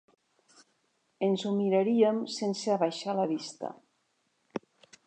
Ens ho miraríem sense abaixar la vista.